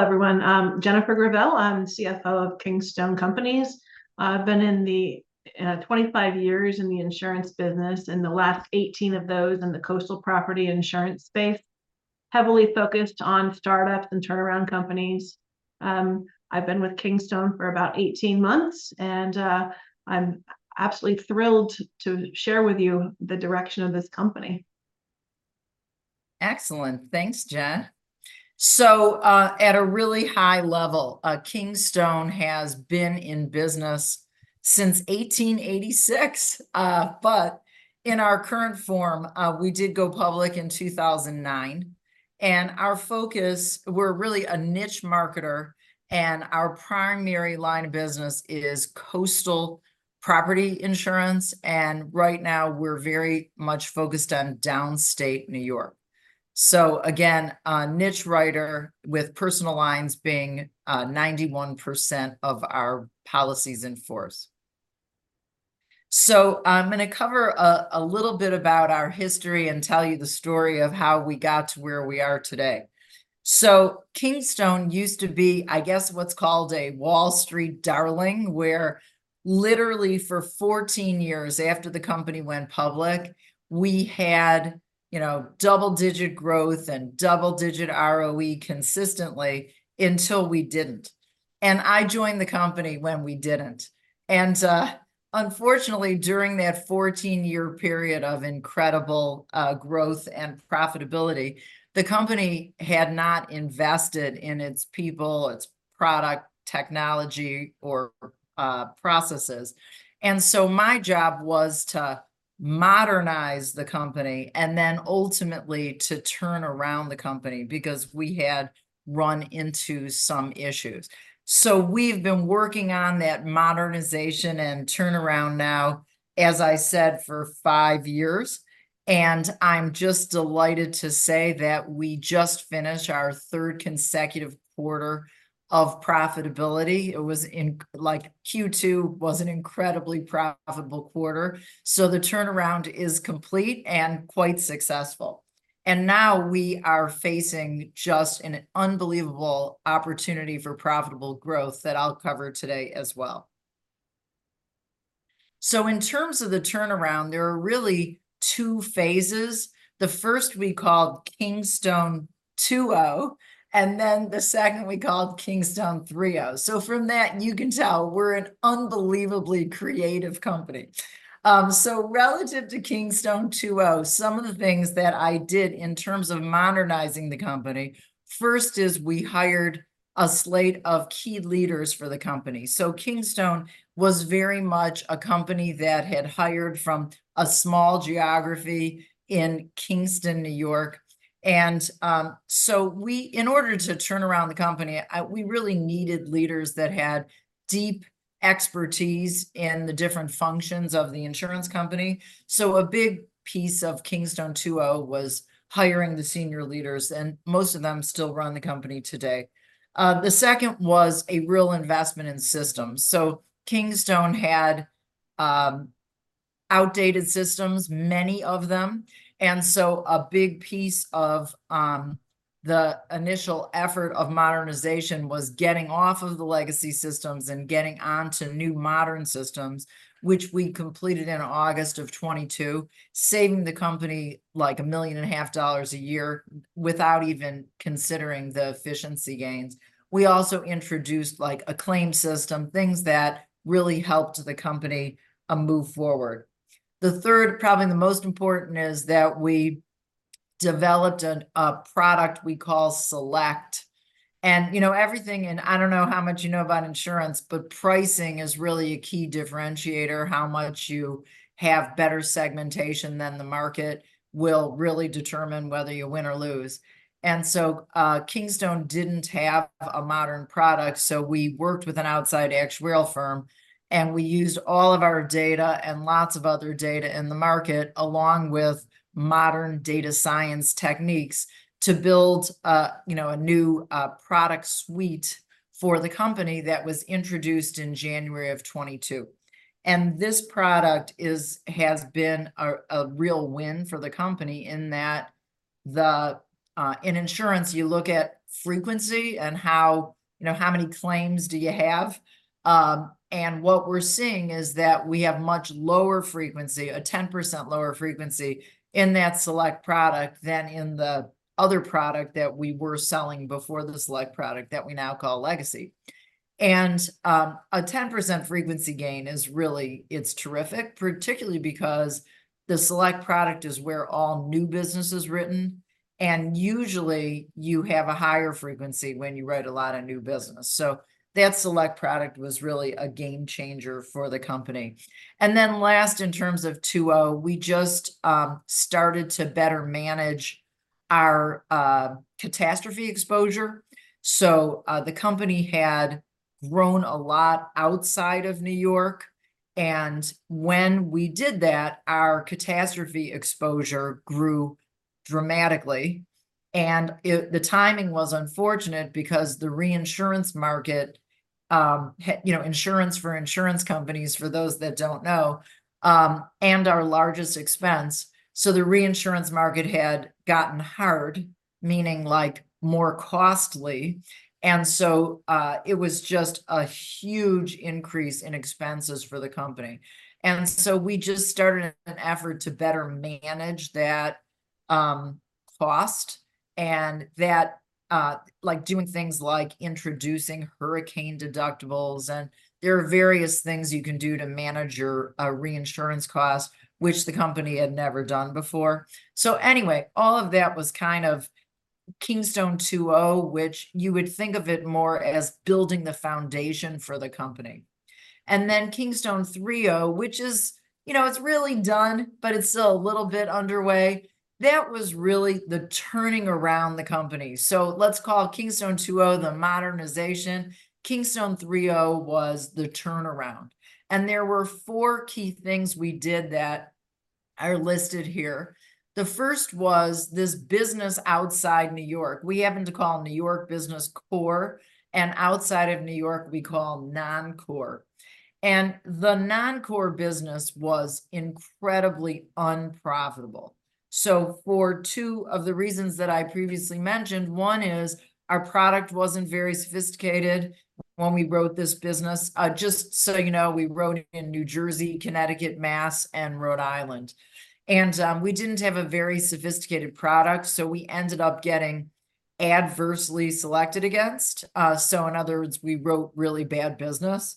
Hello, everyone, Jennifer Gravelle. I'm CFO of Kingstone Companies. I've been in the 25 years in the insurance business, and the last 18 of those in the coastal property insurance space, heavily focused on startups and turnaround companies. I've been with Kingstone for about 18 months, and I'm absolutely thrilled to share with you the direction of this company. Excellent. Thanks, Jen. So, at a really high level, Kingstone has been in business since 1886, but in our current form, we did go public in 2009, and our focus...We're really a niche marketer, and our primary line of business is coastal property insurance, and right now we're very much focused on downstate New York. So again, a niche writer with personal lines being 91% of our policies in force. So I'm gonna cover a little bit about our history and tell you the story of how we got to where we are today. So Kingstone used to be, I guess, what's called a Wall Street darling, where literally for 14 years after the company went public, we had, you know, double-digit growth and double-digit ROE consistently until we didn't, and I joined the company when we didn't. And, unfortunately, during that 14-year period of incredible growth and profitability, the company had not invested in its people, its product, technology, or processes. And so my job was to modernize the company and then ultimately to turn around the company, because we had run into some issues. So we've been working on that modernization and turnaround now, as I said, for five years, and I'm just delighted to say that we just finished our third consecutive quarter of profitability. It was, like, Q2 was an incredibly profitable quarter, so the turnaround is complete and quite successful, and now we are facing just an unbelievable opportunity for profitable growth that I'll cover today as well. So in terms of the turnaround, there are really two phases. The first we called Kingstone 2.0, and then the second we called Kingstone 3.0. So from that, you can tell we're an unbelievably creative company. So relative to Kingstone 2.0, some of the things that I did in terms of modernizing the company, first is we hired a slate of key leaders for the company. So Kingstone was very much a company that had hired from a small geography in Kingston, New York. In order to turn around the company, we really needed leaders that had deep expertise in the different functions of the insurance company. So a big piece of Kingstone 2.0 was hiring the senior leaders, and most of them still run the company today. The second was a real investment in systems so Kingstone had outdated systems, many of them, and so a big piece of the initial effort of modernization was getting off of the legacy systems and getting onto new modern systems, which we completed in August of 2022, saving the company, like, $1.5 million a year without even considering the efficiency gains. We also introduced, like, a claim system, things that really helped the company move forward. The third, probably the most important, is that we developed a product we call Select. And, you know, everything, and I don't know how much you know about insurance, but pricing is really a key differentiator how much you have better segmentation than the market will really determine whether you win or lose. Kingstone didn't have a modern product, so we worked with an outside actuarial firm, and we used all of our data and lots of other data in the market, along with modern data science techniques, to build, you know, a new product suite for the company that was introduced in January of 2022. And this product has been a real win for the company in that. In insurance, you look at frequency and how, you know, how many claims do you have? And what we're seeing is that we have much lower frequency, a 10% lower frequency in that Select product than in the other product that we were selling before the Select product, that we now call Legacy. And, a 10% frequency gain is really... It's terrific, particularly because the Select product is where all new business is written, and usually you have a higher frequency when you write a lot of new business so that Select product was really a game changer for the company. And then last, in terms of 2.0, we just started to better manage our catastrophe exposure. So the company had grown a lot outside of New York, and when we did that, our catastrophe exposure grew dramatically. And it, the timing was unfortunate, because the reinsurance market you know, insurance for insurance companies, for those that don't know, and our largest expense. So the reinsurance market had gotten hard, meaning, like, more costly, and so it was just a huge increase in expenses for the company. And so we just started an effort to better manage that, cost, and that, like doing things like introducing hurricane deductibles, and there are various things you can do to manage your, reinsurance cost, which the company had never done before. So anyway, all of that was kind of Kingstone 2.0, which you would think of it more as building the foundation for the company. And then Kingstone 3.0, which is, you know, it's really done, but it's still a little bit underway. That was really the turning around the company so let's call Kingstone 2.0 the modernization. Kingstone 3.0 was the turnaround, and there were four key things we did that are listed here. The first was this business outside New York we happen to call New York business core, and outside of New York, we call non-core. And the non-core business was incredibly unprofitable. So for two of the reasons that I previously mentioned, one is, our product wasn't very sophisticated when we wrote this business just so you know, we wrote it in New Jersey, Connecticut, Mass and Rhode Island. And we didn't have a very sophisticated product, so we ended up getting adversely selected against so in other words, we wrote really bad business.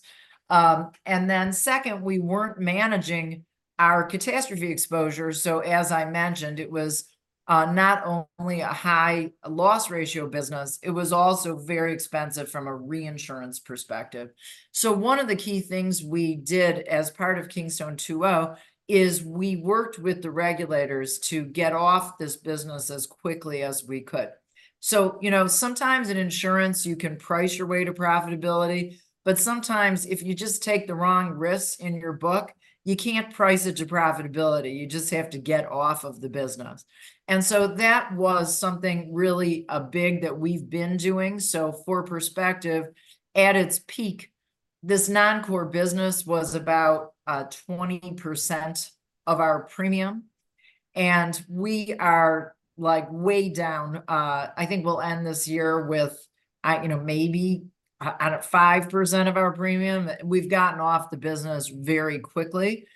And then second, we weren't managing our catastrophe exposure, so as I mentioned, it was not only a high loss ratio business, it was also very expensive from a reinsurance perspective. So one of the key things we did as part of Kingstone 2.0, is we worked with the regulators to get off this business as quickly as we could. So, you know, sometimes in insurance, you can price your way to profitability, but sometimes if you just take the wrong risks in your book, you can't price it to profitability, you just have to get off of the business. And so that was something really, big that we've been doing so for perspective, at its peak, this non-core business was about, 20% of our premium, and we are, like, way down i think we'll end this year with, you know, maybe, at 5% of our premium we've gotten off the business very quickly.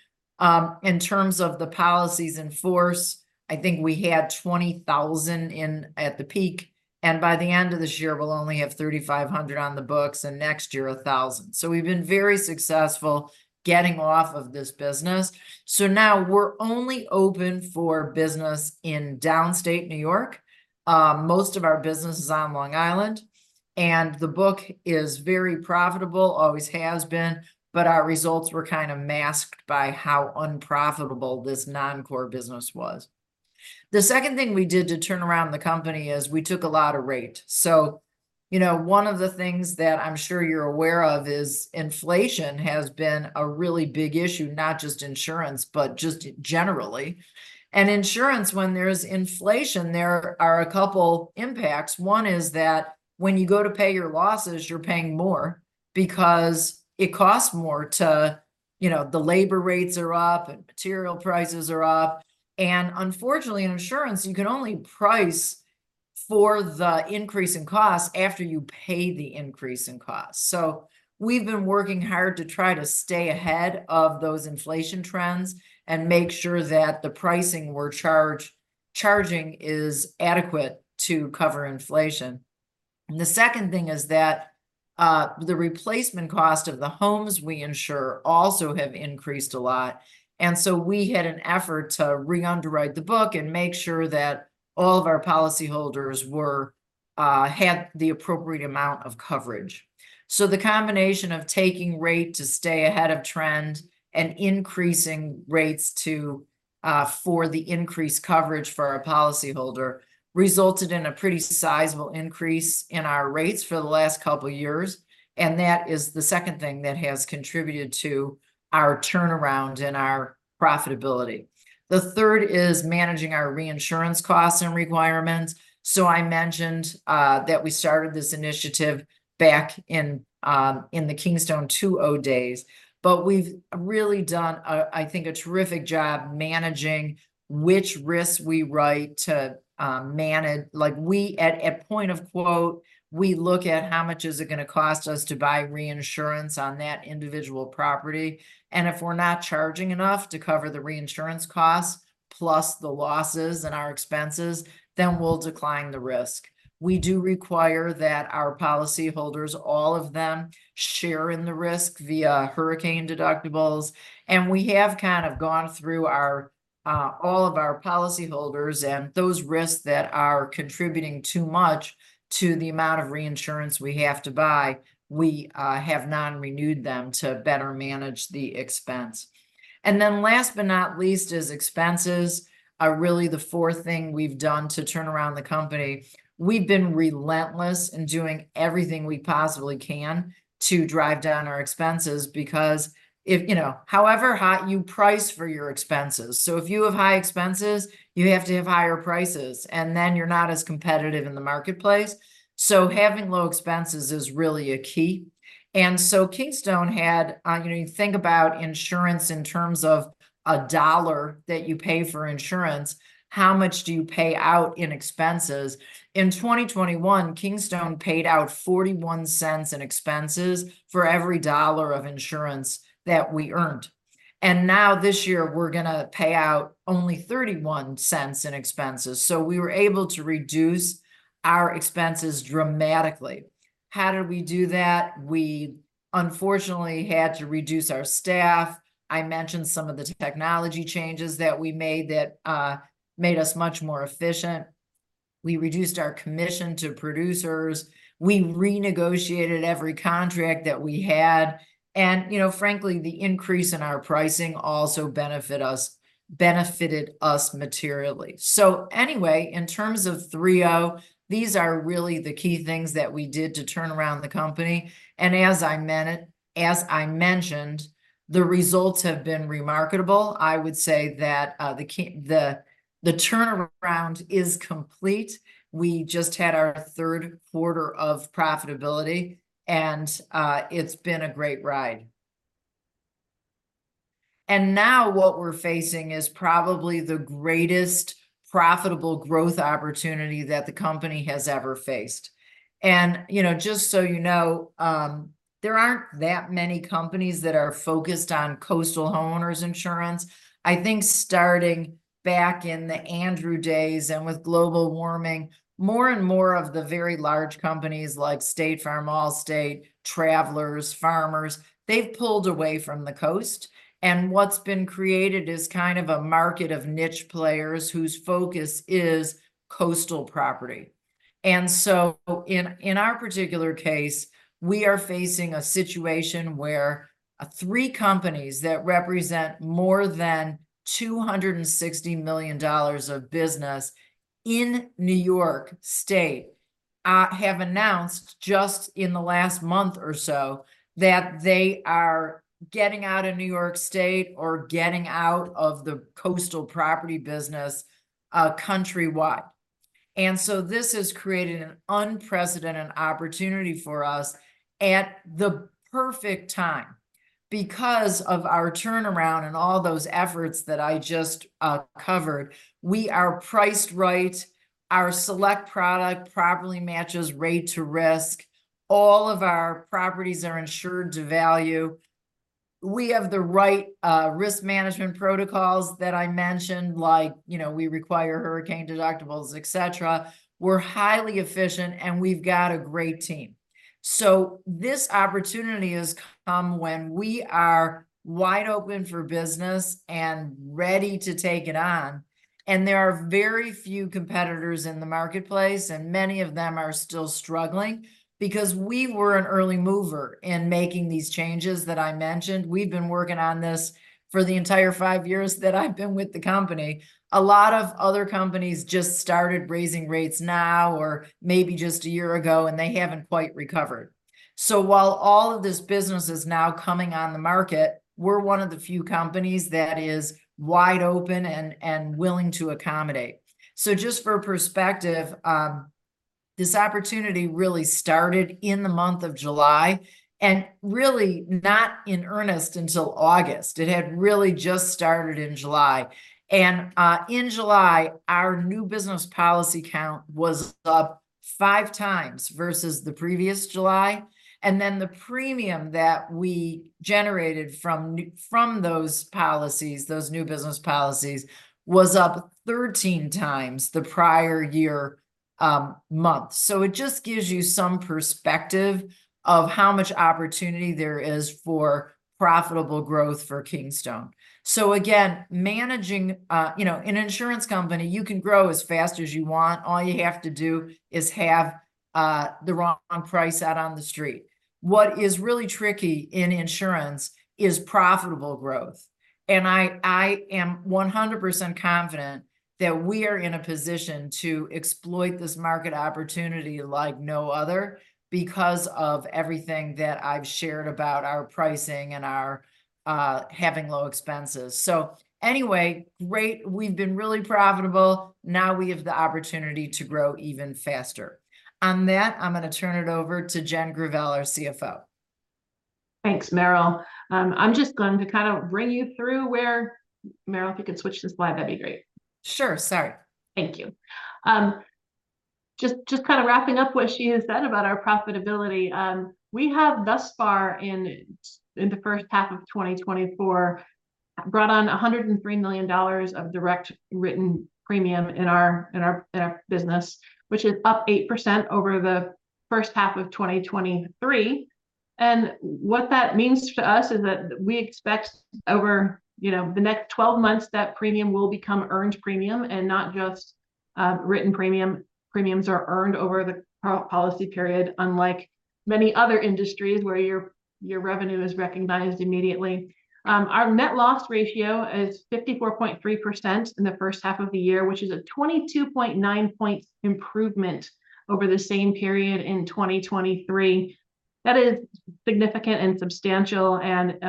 In terms of the policies in force, I think we had 20,000 in at the peak, and by the end of this year, we'll only have 3,500 on the books, and next year, 1,000 so we've been very successful getting off of this business. So now we're only open for business in downstate New York. Most of our business is on Long Island, and the book is very profitable, always has been, but our results were kinda masked by how unprofitable this non-core business was. The second thing we did to turn around the company is we took a lot of rate. So, you know, one of the things that I'm sure you're aware of is inflation has been a really big issue, not just insurance, but just generally. Insurance, when there's inflation, there are a couple impacts, one is that when you go to pay your losses, you're paying more because it costs more to... You know, the labor rates are up, and material prices are up, and unfortunately, in insurance, you can only price for the increase in costs after you pay the increase in costs so we've been working hard to try to stay ahead of those inflation trends, and make sure that the pricing we're charging is adequate to cover inflation. And the second thing is that, the replacement cost of the homes we insure also have increased a lot, and so we had an effort to re-underwrite the book and make sure that all of our policyholders were had the appropriate amount of coverage. So the combination of taking rate to stay ahead of trend and increasing rates to, for the increased coverage for our policyholder, resulted in a pretty sizable increase in our rates for the last couple of years, and that is the second thing that has contributed to our turnaround and our profitability. The third is managing our reinsurance costs and requirements. So I mentioned that we started this initiative back in the Kingstone 2.0 days, but we've really done I think a terrific job managing which risks we write to manage like, we at point of quote, we look at how much is it gonna cost us to buy reinsurance on that individual property, and if we're not charging enough to cover the reinsurance costs, plus the losses and our expenses, then we'll decline the risk. We do require that our policyholders, all of them, share in the risk via hurricane deductibles, and we have kind of gone through all of our policyholders, and those risks that are contributing too much to the amount of reinsurance we have to buy, we have non-renewed them to better manage the expense. And then last but not least, expenses are really the fourth thing we've done to turn around the company. We've been relentless in doing everything we possibly can to drive down our expenses, because if, you know, however hot you price for your expenses, so if you have high expenses, you have to have higher prices, and then you're not as competitive in the marketplace. So having low expenses is really a key. And so Kingstone had, you know, you think about insurance in terms of a dollar that you pay for insurance, how much do you pay out in expenses? In 2021, Kingstone paid out $0.41 in expenses for every $1 of insurance that we earned, and now this year, we're gonna pay out only $0.31 in expenses so we were able to reduce our expenses dramatically. How did we do that? We, unfortunately, had to reduce our staff. I mentioned some of the technology changes that we made that made us much more efficient. We reduced our commission to producers. We renegotiated every contract that we had, and, you know, frankly, the increase in our pricing also benefited us materially so anyway, in terms of 3.0, these are really the key things that we did to turn around the company, and as I mentioned, the results have been remarkable i would say that the turnaround is complete. We just had our third quarter of profitability, and it's been a great ride. And now what we're facing is probably the greatest profitable growth opportunity that the company has ever faced. And, you know, just so you know, there aren't that many companies that are focused on coastal homeowners insurance. I think starting back in the Andrew days and with global warming, more and more of the very large companies like State Farm, Allstate, Travelers, Farmers, they've pulled away from the coast, and what's been created is kind of a market of niche players whose focus is coastal property. And so in our particular case, we are facing a situation where three companies that represent more than $260 million of business in New York State have announced just in the last month or so that they are getting out of New York State or getting out of the coastal property business countrywide. And so this has created an unprecedented opportunity for us at the perfect time. Because of our turnaround and all those efforts that I just covered, we are priced right. Our Select product properly matches rate to risk. All of our properties are insured to value. We have the right, risk management protocols that I mentioned, like, you know, we require hurricane deductibles, et cetera. We're highly efficient, and we've got a great team. So this opportunity has come when we are wide open for business and ready to take it on, and there are very few competitors in the marketplace, and many of them are still struggling. Because we were an early mover in making these changes that I mentioned we've been working on this for the entire five years that I've been with the company. A lot of other companies just started raising rates now or maybe just a year ago, and they haven't quite recovered. So while all of this business is now coming on the market, we're one of the few companies that is wide open and, and willing to accommodate. So just for perspective, this opportunity really started in the month of July, and really not in earnest until August. It had really just started in July, and, in July, our new business policy count was up 5 times versus the previous July, and then the premium that we generated from those policies, those new business policies, was up 13 times the prior year, month so it just gives you some perspective of how much opportunity there is for profitable growth for Kingstone. So again, managing, you know, an insurance company, you can grow as fast as you want all you have to do is have, the wrong price out on the street. What is really tricky in insurance is profitable growth, and I am 100% confident that we are in a position to exploit this market opportunity like no other because of everything that I've shared about our pricing and our having low expenses so anyway, great, we've been really profitable. Now we have the opportunity to grow even faster. On that, I'm gonna turn it over to Jen Gravelle, our CFO. Thanks, Meryl. I'm just going to kind of bring you through where... Meryl, if you could switch this slide, that'd be great. Sure. Sorry. Thank you. Just kind of wrapping up what she has said about our profitability. We have, thus far in the first half of 2024, brought on $103 million of direct written premium in our business, which is up 8% over the first half of 2023. And what that means to us is that we expect over, you know, the next 12 months, that premium will become earned premium and not just written premium. Premiums are earned over the policy period, unlike many other industries where your revenue is recognized immediately. Our net loss ratio is 54.3% in the first half of the year, which is a 22.9-point improvement over the same period in 2023. That is significant and substantial, and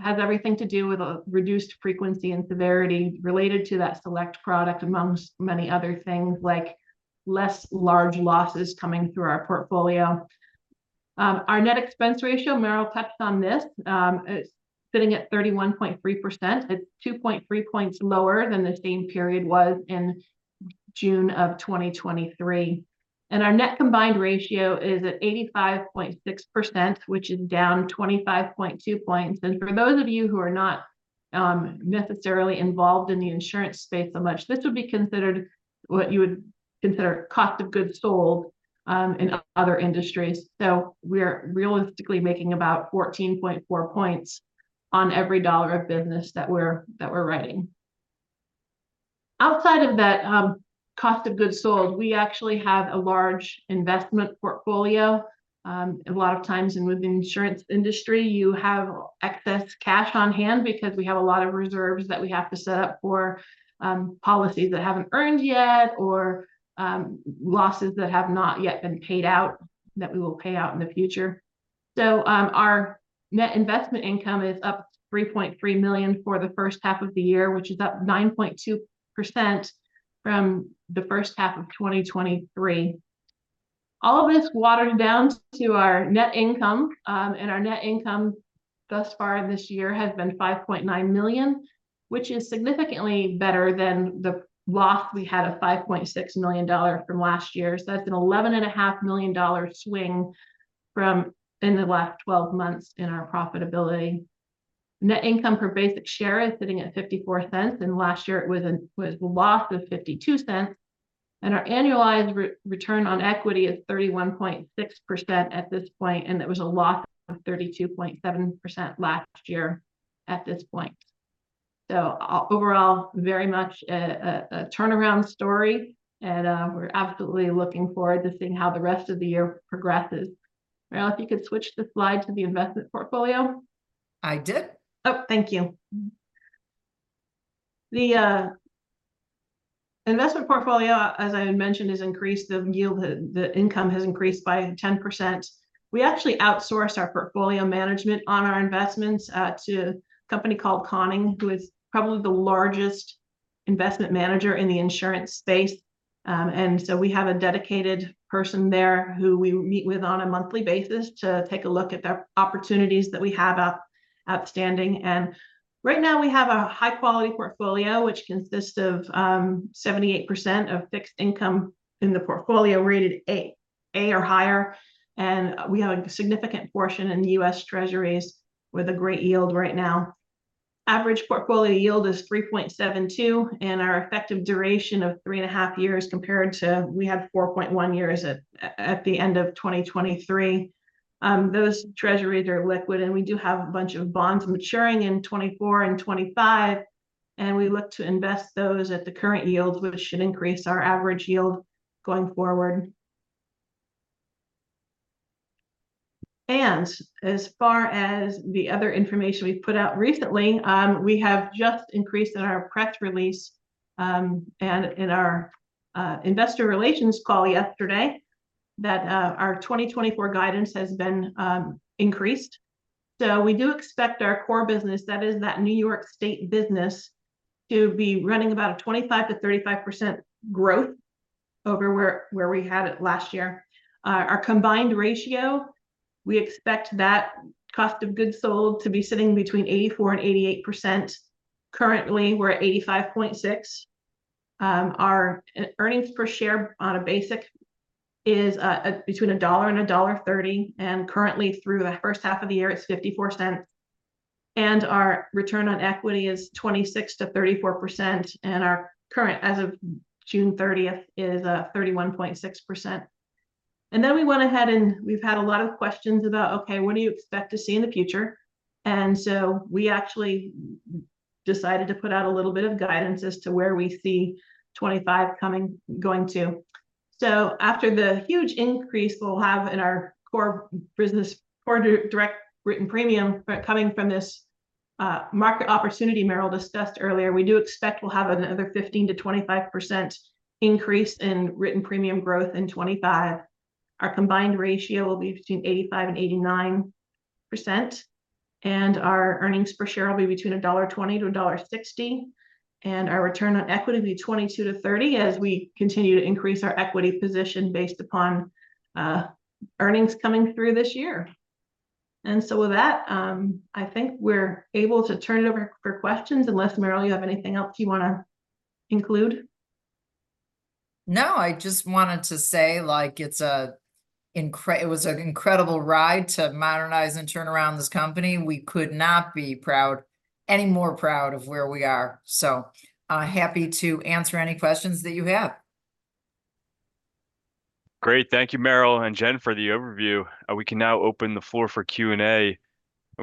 has everything to do with a reduced frequency and severity related to that Select product, among many other things, like less large losses coming through our portfolio. Our net expense ratio, Meryl touched on this, it's sitting at 31.3%, 2.3 points lower than the same period was in June of 2023. And our net combined ratio is at 85.6%, which is down 25.2 points. And for those of you who are not necessarily involved in the insurance space so much, this would be considered what you would consider cost of goods sold in other industries so we're realistically making about 14.4 points on every dollar of business that we're writing. Outside of that cost of goods sold, we actually have a large investment portfolio. A lot of times in with the insurance industry, you have excess cash on hand because we have a lot of reserves that we have to set up for, policies that haven't earned yet, or, losses that have not yet been paid out, that we will pay out in the future. So, our net investment income is up $3.3 million for the first half of the year, which is up 9.2% from the first half of 2023. All of this watered down to our net income, and our net income thus far this year has been $5.9 million. Which is significantly better than the loss we had of $5.6 million from last year that's an $11.5 million swing from in the last 12 months in our profitability. Net income per basic share is sitting at $0.54, and last year it was a loss of $0.52. Our annualized return on equity is 31.6% at this point, and it was a loss of 32.7% last year at this point. Overall, very much a turnaround story, and we're absolutely looking forward to seeing how the rest of the year progresses. Meryl, if you could switch the slide to the investment portfolio? I did. Oh, thank you. The investment portfolio, as I had mentioned, the income has increased by 10%. We actually outsource our portfolio management on our investments to a company called Conning, who is probably the largest investment manager in the insurance space. And so we have a dedicated person there who we meet with on a monthly basis to take a look at the opportunities that we have outstanding. And right now, we have a high-quality portfolio, which consists of 78% of fixed income in the portfolio, rated AA or higher, and we have a significant portion in the U.S. Treasuries with a great yield right now. Average portfolio yield is 3.72, and our effective duration of 3.5 years compared to we had 4.1 years at the end of 2023. Those treasuries are liquid, and we do have a bunch of bonds maturing in 2024 and 2025, and we look to invest those at the current yields, which should increase our average yield going forward. As far as the other information we've put out recently, we have just increased in our press release, and in our investor relations call yesterday, that our 2024 guidance has been increased. So we do expect our core business, that is that New York State business, to be running about a 25%-35% growth over where we had it last year. Our combined ratio, we expect that cost of goods sold to be sitting between 84%-88%. Currently, we're at 85.6%. Our earnings per share on a basic is between $1 and $1.30, and currently through the first half of the year, it's $0.54. Our return on equity is 26%-34%, and our current, as of June 30th, is 31.6%. Then we went ahead, and we've had a lot of questions about, "Okay, what do you expect to see in the future?" So we actually decided to put out a little bit of guidance as to where we see 2025 coming, going to. After the huge increase we'll have in our core business, core direct written premium coming from this market opportunity Meryl discussed earlier, we do expect we'll have another 15%-25% increase in written premium growth in 2025. Our combined ratio will be between 85%-89%, and our earnings per share will be between $1.20-$1.60, and our return on equity will be 22%-30%, as we continue to increase our equity position based upon earnings coming through this year? So with that, I think we're able to turn it over for questions, unless, Meryl, you have anything else you wanna include? No, I just wanted to say, like, it was an incredible ride to modernize and turn around this company we could not be proud, any more proud of where we are. So, happy to answer any questions that you have.... Great. Thank you, Meryl and Jen, for the overview. We can now open the floor for Q&A, and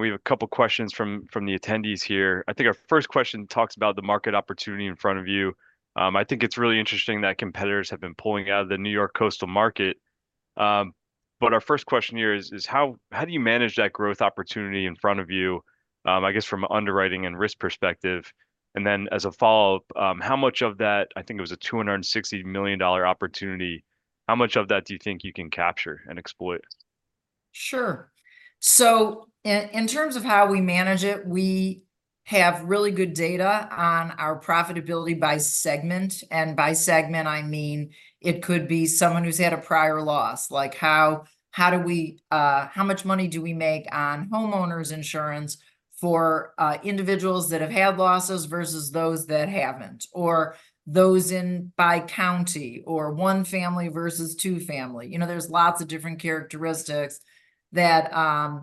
we have a couple questions from the attendees here i think our first question talks about the market opportunity in front of you. I think it's really interesting that competitors have been pulling out of the New York coastal market. But our first question here is how do you manage that growth opportunity in front of you, I guess from an underwriting and risk perspective? And then as a follow-up, how much of that... I think it was a $260 million opportunity, how much of that do you think you can capture and exploit? Sure. So in terms of how we manage it, we have really good data on our profitability by segment, and by segment, I mean it could be someone who's had a prior loss like, how do we... how much money do we make on homeowners insurance for individuals that have had losses versus those that haven't? Or those in by county, or one family versus two family. You know, there's lots of different characteristics that are-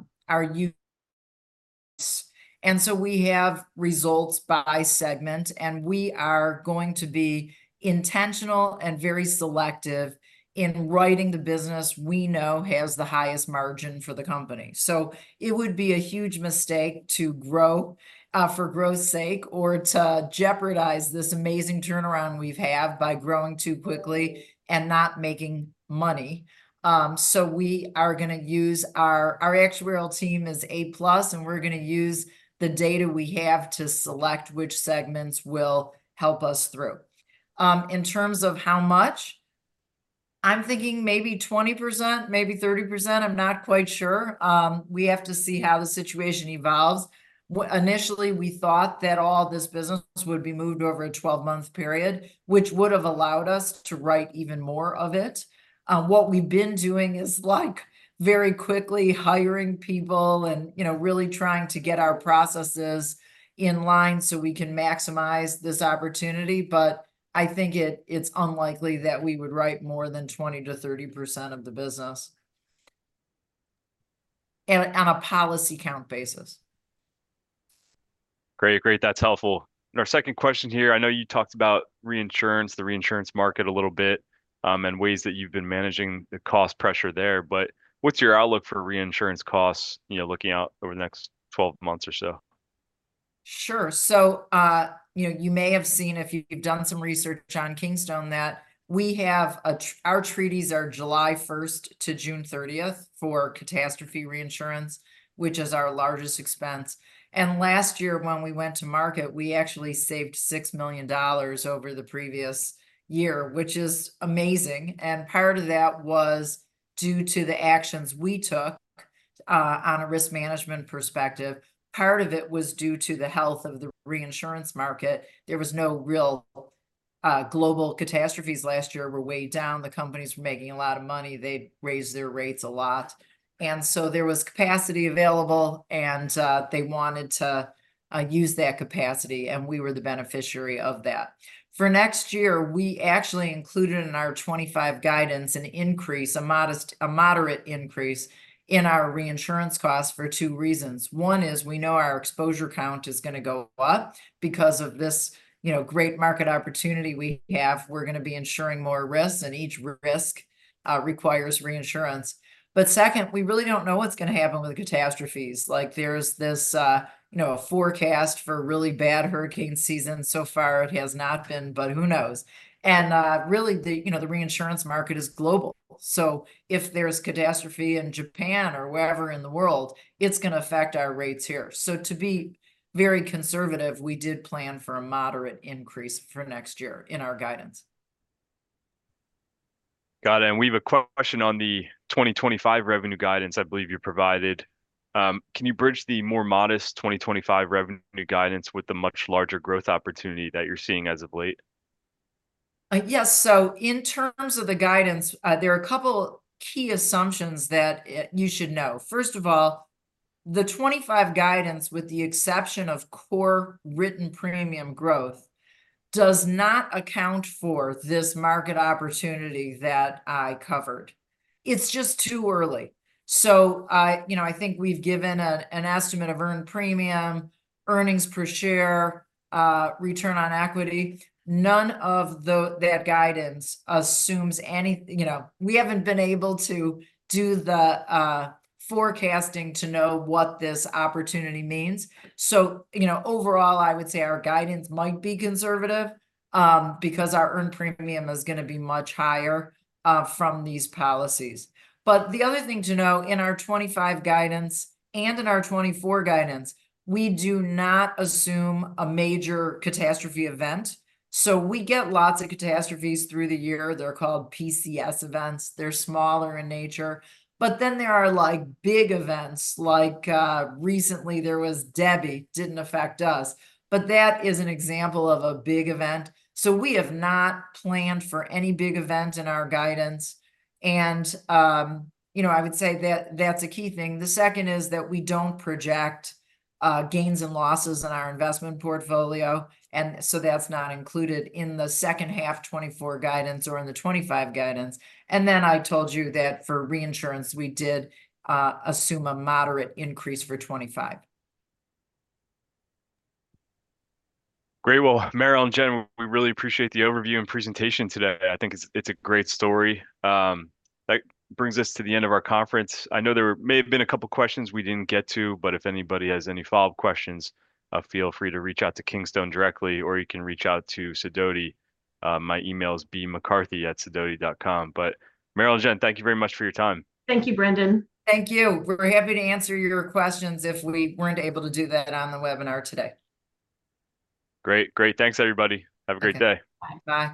And so we have results by segment, and we are going to be intentional and very selective in writing the business we know has the highest margin for the company so it would be a huge mistake to grow for growth's sake, or to jeopardize this amazing turnaround we've had by growing too quickly and not making money. So we are gonna use our actuarial team is A plus, and we're gonna use the data we have to select which segments will help us through. In terms of how much? I'm thinking maybe 20%, maybe 30% im not quite sure. We have to see how the situation evolves. Initially, we thought that all this business would be moved over a 12-month period, which would have allowed us to write even more of it. What we've been doing is, like, very quickly hiring people and, you know, really trying to get our processes in line so we can maximize this opportunity, but I think it's unlikely that we would write more than 20%-30% of the business on a policy count basis. Great, great, that's helpful. Our second question here, I know you talked about reinsurance, the reinsurance market a little bit, and ways that you've been managing the cost pressure there, but what's your outlook for reinsurance costs, you know, looking out over the next 12 months or so? Sure. So, you know, you may have seen, if you've done some research on Kingstone, that we have our treaties are July 1st to June 30th for catastrophe reinsurance, which is our largest expense. And last year when we went to market, we actually saved $6 million over the previous year, which is amazing, and part of that was due to the actions we took on a risk management perspective. Part of it was due to the health of the reinsurance market. There was no real global catastrophes last year, were way down the companies were making a lot of money they'd raised their rates a lot, and so there was capacity available, and they wanted to use that capacity, and we were the beneficiary of that. For next year, we actually included in our 2025 guidance an increase, a modest... a moderate increase in our reinsurance costs for two reasons. One is, we know our exposure count is gonna go up because of this, you know, great market opportunity we have we're gonna be insuring more risks, and each risk requires reinsurance. But second, we really don't know what's gonna happen with the catastrophes like, there's this, you know, a forecast for a really bad hurricane season so far it has not been, but who knows? And, really, the, you know, the reinsurance market is global, so if there's catastrophe in Japan or wherever in the world, it's gonna affect our rates here so to be very conservative, we did plan for a moderate increase for next year in our guidance. Got it, and we have a question on the 2025 revenue guidance I believe you provided. Can you bridge the more modest 2025 revenue guidance with the much larger growth opportunity that you're seeing as of late? Yes, so in terms of the guidance, there are a couple key assumptions that you should know. First of all, the 2025 guidance, with the exception of core written premium growth, does not account for this market opportunity that I covered. It's just too early. So, you know, I think we've given an estimate of earned premium, earnings per share, return on equity. None of that guidance assumes any- You know, we haven't been able to do the forecasting to know what this opportunity means. So, you know, overall, I would say our guidance might be conservative, because our earned premium is gonna be much higher from these policies. But the other thing to know, in our 2025 guidance, and in our 2024 guidance, we do not assume a major catastrophe event. So we get lots of catastrophes through the year they're called PCS events, they're smaller in nature, but then there are, like, big events, like, recently there was Debby didn't affect us, but that is an example of a big event. So we have not planned for any big event in our guidance, and, you know, I would say that that's a key thing the second is that we don't project gains and losses in our investment portfolio, and so that's not included in the second half 2024 guidance or in the 2025 guidance. And then I told you that for reinsurance, we did assume a moderate increase for 2025. Great. Well, Meryl and Jen, we really appreciate the overview and presentation today i think it's, it's a great story. That brings us to the end of our conference. I know there may have been a couple questions we didn't get to, but if anybody has any follow-up questions, feel free to reach out to Kingstone directly, or you can reach out to Sidoti. My email is bmccarthy@sidoti.com but Meryl, Jen, thank you very much for your time. Thank you, Brendan. Thank you. We're happy to answer your questions if we weren't able to do that on the webinar today. Great. Great, thanks, everybody. Have a great day. Bye. Bye.